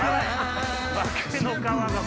化けの皮が。